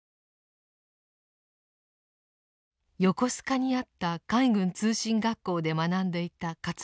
横須賀にあった海軍通信学校で学んでいた勝又さん。